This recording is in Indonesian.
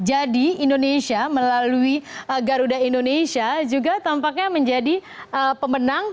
jadi indonesia melalui garuda indonesia juga tampaknya menjadi pemenang